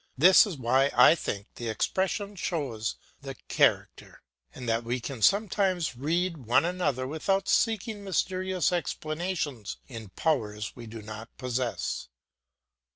This is why I think the expression shows the character, and that we can sometimes read one another without seeking mysterious explanations in powers we do not possess.